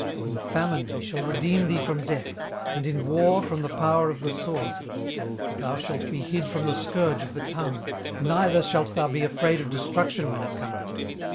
18:005:020 In famine he shall redeem thee from death: and in war from the power of the sword. 18:005:021 Thou shalt be hid from the scourge of the tongue: neither shalt thou be afraid of destruction when it cometh.